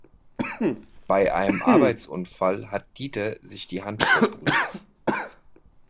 Bei einem Arbeitsunfall hat Dieter sich die Hand verbrüht.